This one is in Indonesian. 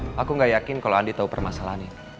mama aku gak yakin kalau andi tahu permasalahan ini